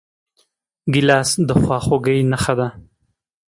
ګیلاس د خواخوږۍ نښه ده.